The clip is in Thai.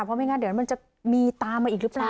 เพราะไม่งั้นเดี๋ยวมันจะมีตามมาอีกหรือเปล่า